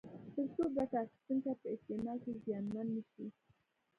تر څو ګټه اخیستونکي په استعمال کې زیانمن نه شي.